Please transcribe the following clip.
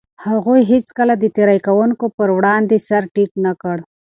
هغوی هيڅکله د تېري کوونکو پر وړاندې سر ټيټ نه کړ.